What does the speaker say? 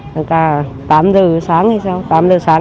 tăng ca tám giờ sáng hay sao